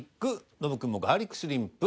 ノブくんも「ガーリックシュリンプ」。